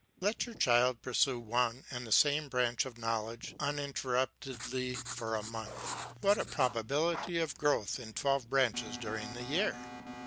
Let your child pursue one and the same branch of knowledge uninterruptedly for a month ; what a proba bility of growth in twelve branches during the year